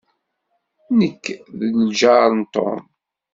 Nekk d ljaṛ n Tom.